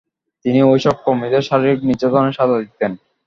তিনি ওইসব কর্মীদের শারীরিক নির্যাতনের সাজা দিতেন।